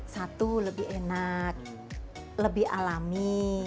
satu lebih enak lebih alami